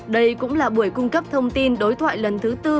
đây cũng là buổi cung cấp thông tin đối thoại lần thứ tư